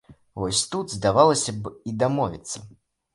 Вось тут, здавалася б, і дамовіцца!